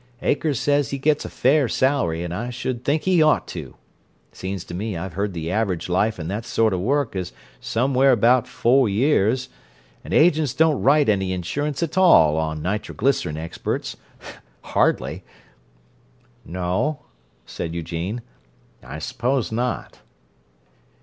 Akers says he gets a fair salary, and I should think he ought to! Seems to me I've heard the average life in that sort of work is somewhere around four years, and agents don't write any insurance at all for nitroglycerin experts. Hardly!" "No," said Eugene. "I suppose not."